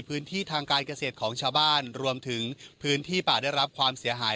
พื้นที่ทางการเกษตรของชาวบ้านรวมถึงพื้นที่ป่าได้รับความเสียหาย